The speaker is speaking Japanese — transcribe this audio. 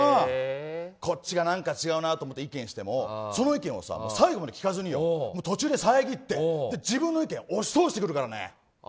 こっちがなんか違うなと思って意見してもその意見を最後まで聞かずに途中で遮って自分の意見を押し通してくるからね。